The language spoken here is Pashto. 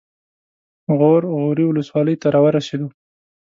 غور غوري ولسوالۍ ته راورسېدو.